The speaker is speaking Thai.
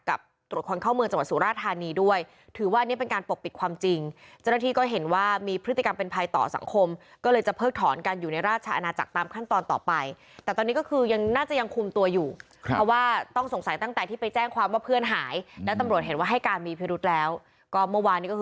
กับตรวจความเข้าเมืองจังหวัดศูนย์ราชธานีด้วยถือว่าอันนี้เป็นการปกปิดความจริง